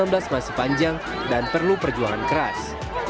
karena pemain u sembilan belas masih panjang dan perlu perjuangan keras